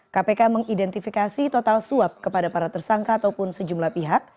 kpk mengidentifikasi total suap kepada para tersangka ataupun sejumlah pihak